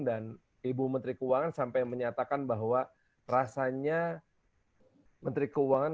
dan ibu menteri keuangan sampai menyatakan bahwa rasanya menteri keuangan